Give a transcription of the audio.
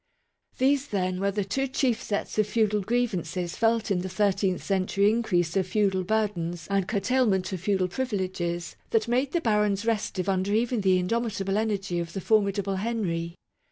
These, then, were the two chief sets of feudal grievances felt in the thirteenth century increase of feudal burdens and curtailment of feudal privileges that made the barons restive under even the indomit able energy of the formidable Henry.